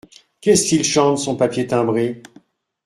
Qu’est-ce qu’il chante, son papier timbré ?